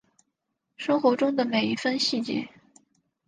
生活中的每一分细节